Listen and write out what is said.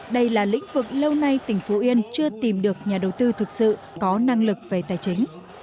đây là lĩnh vực lâu nay tỉnh phú yên chưa tìm được nhà đầu tư thực sự có năng lực về tài chính